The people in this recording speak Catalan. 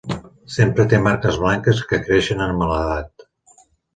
Sempre té marques blanques que creixen amb l'edat.